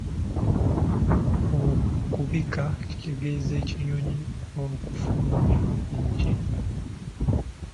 Okubiika kitegeeza ekinyonyi okufulumya eggi.